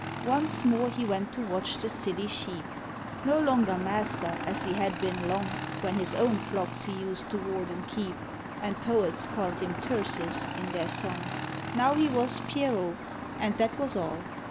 Once more he went to watch the silly sheep, No longer master as he had been long, When his own flocks he used to ward and keep, And poets called him Tircis in their song; Now he was Pierrot, and that was all.